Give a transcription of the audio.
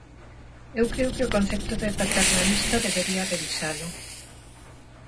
Eu creo que o concepto de paternalista debería revisalo.